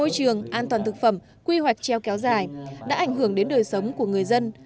môi trường an toàn thực phẩm quy hoạch treo kéo dài đã ảnh hưởng đến đời sống của người dân